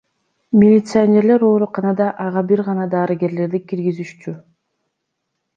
Милиционерлер ооруканада ага бир гана дарыгерлерди киргизишчү.